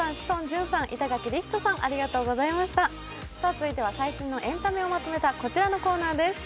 続いては最新のエンタメをまとめたこちらのコーナーです。